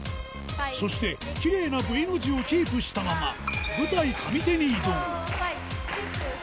そして、きれいなＶの字をキープしたまま、舞台上手に移動。